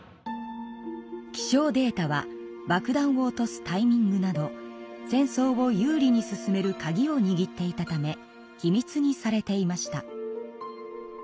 気象データはばくだんを落とすタイミングなど戦争を有利に進めるカギをにぎっていたため秘密にされていました。